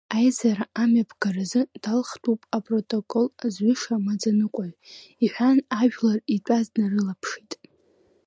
Аизара амҩаԥгаразы, далхтәуп, апротокол зҩыша амаӡаныҟәгаҩ, — иҳәан ажәлар итәаз днарылаԥшит.